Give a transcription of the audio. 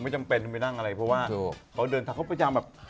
จำเป็นไปนั่งอะไรเพราะว่าเขาเดินทางเขาพยายามแบบ